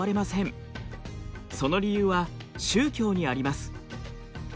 その理由は宗教にあります。